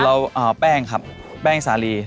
แป้งครับแป้งสาลี